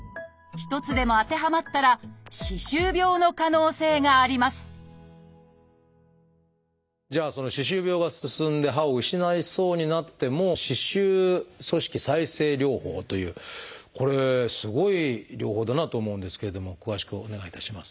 一つでも当てはまったら歯周病の可能性がありますじゃあ歯周病が進んで歯を失いそうになっても「歯周組織再生療法」というこれすごい療法だなと思うんですけれども詳しくお願いいたします。